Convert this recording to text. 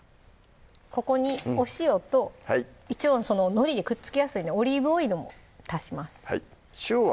ここにお塩とのりでくっつきやすいんでオリーブオイルも足します塩は？